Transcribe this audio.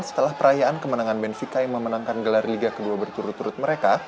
setelah perayaan kemenangan benfica yang memenangkan gelar liga ke dua berturut turut mereka